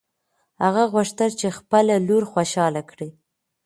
هغه غوښتل چې خپله لور خوشحاله کړي.